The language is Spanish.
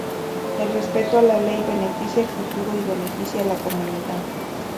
El respeto a la ley beneficia el futuro y beneficia a la comunidad.